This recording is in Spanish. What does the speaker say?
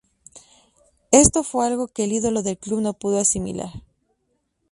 Esto fue algo que el ídolo del club no pudo asimilar.